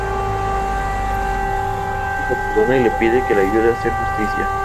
Ana lo perdona y le pide que la ayude a hacer justicia.